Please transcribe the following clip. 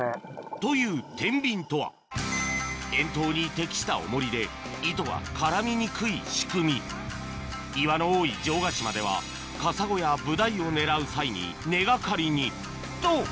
というテンビンとは遠投に適したオモリで糸が絡みにくい仕組み岩の多い城ヶ島ではカサゴやブダイを狙う際に根掛かりにと！